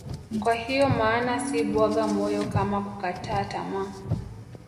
Kwa hiyo maana si bwaga moyo kama kukataa tamaa